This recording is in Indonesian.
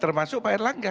termasuk pak erlangga